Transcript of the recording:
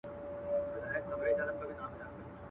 تور قسمت په تا آرام نه دی لیدلی !.